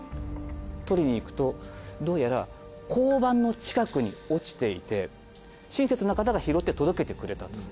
取りに行くとどうやら交番の近くに落ちていて親切な方が拾って届けてくれたと。